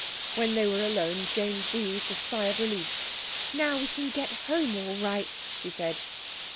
When they were alone Jane breathed a sigh of relief. "Now we can get home all right," she said.